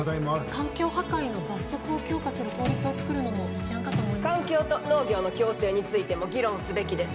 環境破壊の罰則を強化する法律をつくるのも環境と農業の共生についても議論すべきです